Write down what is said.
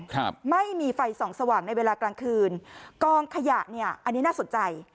ครับไม่มีไฟส่องสว่างในเวลากลางคืนกองขยะเนี้ยอันนี้น่าสนใจ